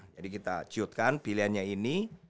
jadi kita ciotkan pilihannya ini